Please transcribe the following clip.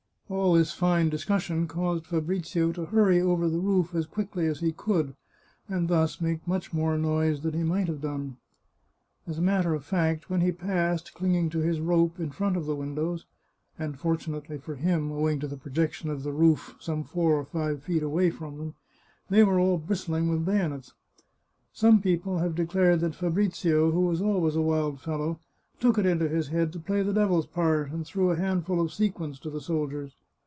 All this fine discussion caused Fabrizio to hurry over the roof as quickly as he could, and thus make much more noise than he might have done. As a matter of fact, when he passed, clinging to his rope, in front of the windows, and fortunately for him, owing to the pro jection of the roof, some four or five feet away from them, they were all bristling with bayonets. Some people have declared that Fabrizio, who was always a wild fellow, took it into his head to play the devil's part, and threw a handful of sequins to the soldiers.